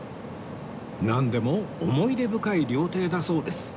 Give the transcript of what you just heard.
なんでも思い出深い料亭だそうです